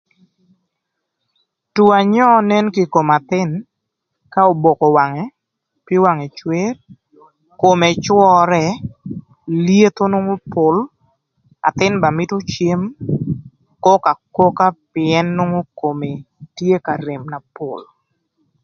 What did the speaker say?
Two anyöö nen kï ï kom athïn ka oboko wangë pii wangë cwër kome cwörë lyetho nwongo pol athïn ba mïtö cem kök aköka pïën nwongo kome tye ka rem na pol.